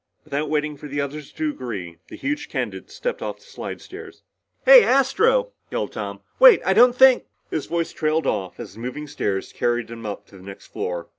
Without waiting for the others to agree, the huge candidate stepped off the slidestairs. "Hey, Astro!" yelled Tom. "Wait! I don't think " His voice trailed off as the moving stair carried him up to the next floor.